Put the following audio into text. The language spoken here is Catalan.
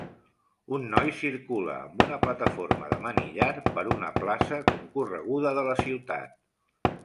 Un noi circula amb una plataforma de manillar per una plaça concorreguda de la ciutat.